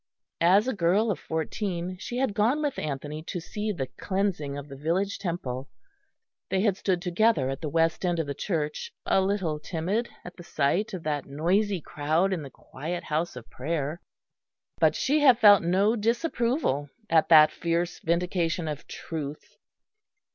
As a girl of fourteen she had gone with Anthony to see the cleansing of the village temple. They had stood together at the west end of the church a little timid at the sight of that noisy crowd in the quiet house of prayer; but she had felt no disapproval at that fierce vindication of truth.